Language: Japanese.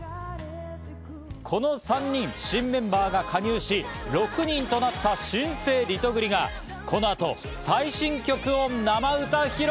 この３人、新メンバーが加入し、６人となった新生・リトグリが、この後、最新曲を生歌披露！